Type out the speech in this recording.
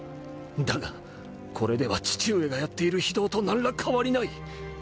だがこれでは父上がやっている非道と何ら変わりない。